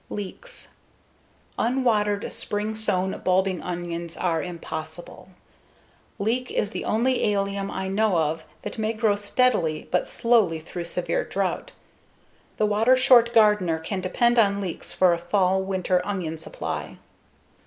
Leeks Unwatered spring sown bulbing onions are impossible. Leek is the only allium I know of that may grow steadily but slowly through severe drought; the water short gardener can depend on leeks for a fall/winter onion supply.